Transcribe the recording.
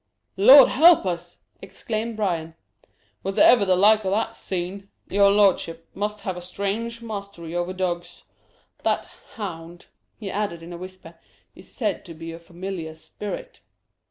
"Lord help us!" exclaimed Bryan; "was ever the like o' that seen? Your lordship must have a strange mastery over dogs. That hound," he added, in a whisper, "is said to be a familiar spirit."